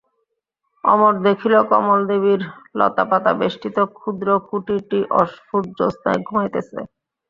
অমর দেখিল কমলদেবীর লতাপাতাবেষ্টিত ক্ষুদ্র কুটিরটি অস্ফুট জ্যোৎস্নায় ঘুমাইতেছে।